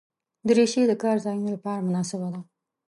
دریشي د کار ځایونو لپاره مناسبه ده.